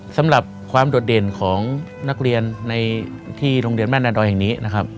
สำหรับความโดดเด่นของนักเรียนในที่โรงเรียนแม่นาดอยแห่งนี้นะครับ